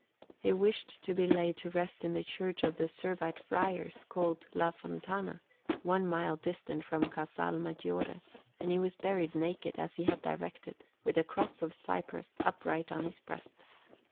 He wished to be laid to rest in the Church of the Servite Friars, called La Fontana, one mile distant from Casal Maggiore; and he was buried naked, as he had directed, with a cross of cypress upright on his breast.